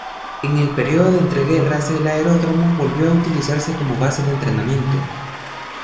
En el período de entreguerras, el aeródromo volvió a utilizarse como base de entrenamiento.